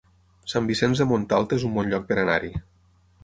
Sant Vicenç de Montalt es un bon lloc per anar-hi